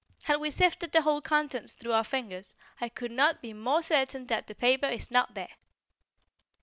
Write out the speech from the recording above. Had we sifted the whole contents through our fingers, I could not be more certain that the paper is not there."